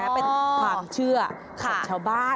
เป็นความเชื่อของชาวบ้าน